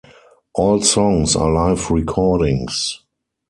All songs are live recordings.